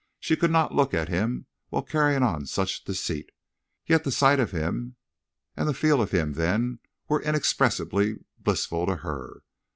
She could not look at him while carrying on such deceit. Yet the sight of him and the feel of him then were inexpressibly blissful to her.